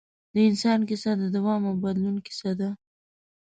د انسان کیسه د دوام او بدلون کیسه ده.